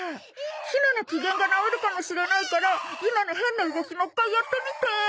ひまの機嫌が直るかもしれないから今の変な動きもう一回やってみて。